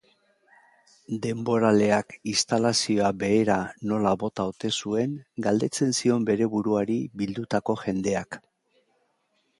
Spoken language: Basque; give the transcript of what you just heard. Denboraleak instalazioa behera nola bota ote zuen galdetzen zion bere buruari bildutako jendeak.